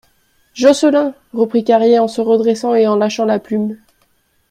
Jocelyn ! reprit Carrier en se redressant et en lâchant la plume.